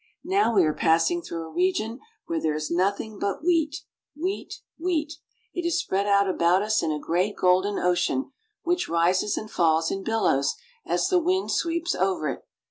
Now we are passing through a region where there is nothing but wheat, wheat, wheat. It is spread out about us in a great golden ocean, which rises and falls in billows as the wind sweeps over it.